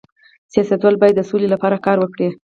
سیاستوال باید د سولې لپاره کار وکړي